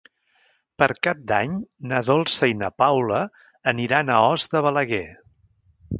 Per Cap d'Any na Dolça i na Paula aniran a Os de Balaguer.